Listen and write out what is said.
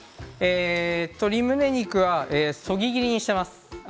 鶏むね肉はそぎ切りにしています。